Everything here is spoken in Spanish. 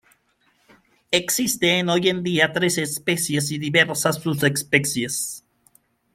Existen hoy en día tres especies y diversas subespecies.